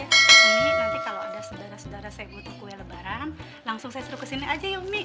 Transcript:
umi nanti kalau ada saudara saudara saya yang butuh kue lebaran langsung saya suruh kesini aja ya umi